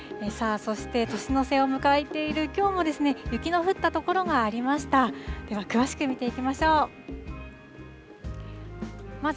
そして年の瀬を迎えている、きょうも雪の降った所がありました。